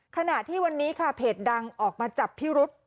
ขณะที่วันนี้ค่ะเพจดังออกมาจับพิรุษ